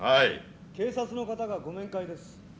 ・警察の方がご面会です。